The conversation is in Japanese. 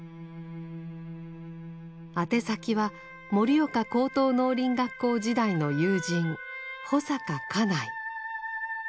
宛先は盛岡高等農林学校時代の友人保阪嘉内。